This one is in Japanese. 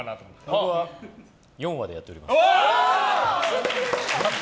ラップは４話でやっております。